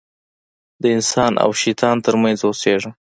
د انسان او شیطان تر منځ اوسېږم.